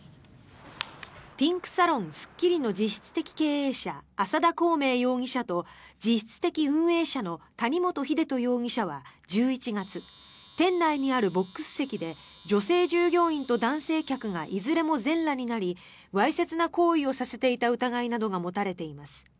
ピンクサロン、スッキリの実質的経営者浅田孔明容疑者と実質的運営者の谷本英人容疑者は１１月店内にあるボックス席で女性従業員と男性客がいずれも全裸になりわいせつな行為をさせていた疑いなどが持たれています。